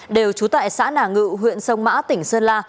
đều trú tại xã nà ngự huyện sông mã tỉnh sơn la